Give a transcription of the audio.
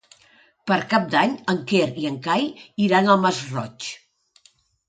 Per Cap d'Any en Quer i en Cai iran al Masroig.